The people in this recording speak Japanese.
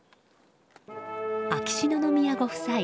秋篠宮ご夫妻